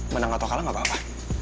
menang atau kalah gak apa apa